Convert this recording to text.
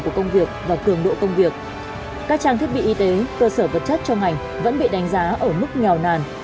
các trang thiết bị y tế cơ sở vật chất cho ngành vẫn bị đánh giá ở mức nghèo nàn